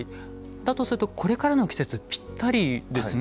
だとすると、これからの季節にぴったりですね。